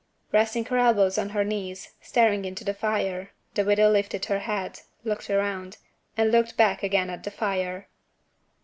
Resting her elbows on her knees, staring into the fire, the widow lifted her head looked round and looked back again at the fire.